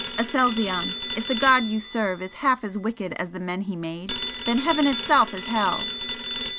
Aselzion, if the God you serve is half as wicked as the men He made, then Heaven itself is Hell!"